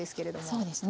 そうですね。